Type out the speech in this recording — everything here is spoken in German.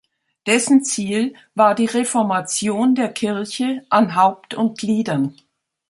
Dessen Ziel war die Reformation der Kirche „an Haupt und Gliedern“.